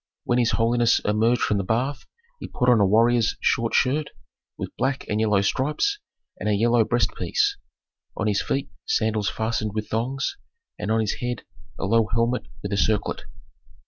When his holiness emerged from the bath he put on a warrior's short shirt with black and yellow stripes, and a yellow breast piece; on his feet sandals fastened with thongs, and on his head a low helmet with a circlet.